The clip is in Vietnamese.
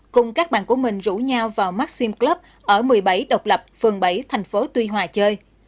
cùng các bạn của mình rủ nhau vào maxim club ở một mươi bảy độc lập phường bảy thành phố tuy hòa chơi